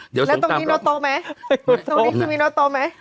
แล้วตรงนี้โนโตะไหม